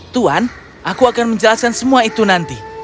tuan aku akan menjelaskan semua itu nanti